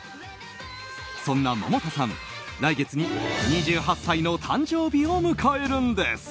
そんな百田さん、来月に２８歳の誕生日を迎えるんです。